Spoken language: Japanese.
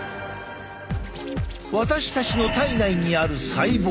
私たちの体内にある細胞。